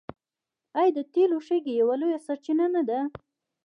آیا د تیلو شګې یوه لویه سرچینه نه ده؟